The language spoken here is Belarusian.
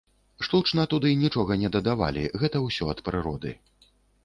Штучна туды нічога не дадавалі, гэта ўсё ад прыроды.